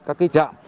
các cái trạm